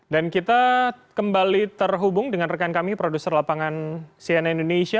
dan kita kembali terhubung dengan rekan kami produser lapangan cnn indonesia